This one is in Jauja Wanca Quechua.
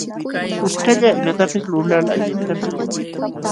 Kuskalla imatapis lulal allintam lulaśhun.